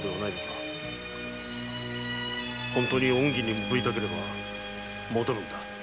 本当に恩義に報いたければ戻るんだ。